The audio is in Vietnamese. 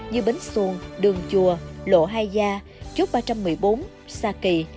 như bến xuân đường chùa lộ hai gia chốt ba trăm một mươi bốn sa kỳ